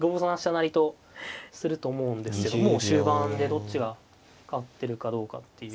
成とすると思うんですけどもう終盤でどっちが勝ってるかどうかっていう。